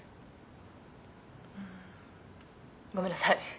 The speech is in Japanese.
「ごめんなさい